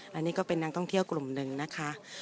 อันนี้ก็เป็นนักท่องเที่ยวกลุ่มหนึ่งนะคะ